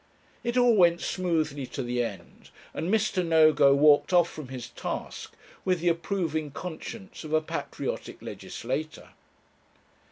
It all went smoothly to the end, and Mr. Nogo walked off from his task with the approving conscience of a patriotic legislator.